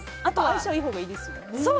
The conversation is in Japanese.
相性がいいほうがいいですよね。